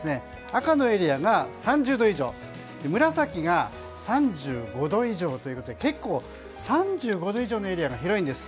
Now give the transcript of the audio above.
赤のエリアが３０度以上紫が３５度以上ということで結構３５度以上のエリアが広いんです。